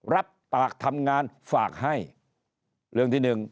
รับปากทำงานฝากให้เรื่องที่หนึ่ง